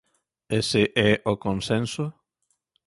¿Ese é o consenso?